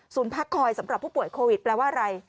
พักคอยสำหรับผู้ป่วยโควิดแปลว่าอะไร